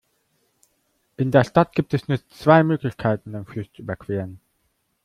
In der Stadt gibt es nur zwei Möglichkeiten, den Fluss zu überqueren.